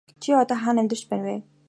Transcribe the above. Чи одоо хаана амьдарч байна вэ?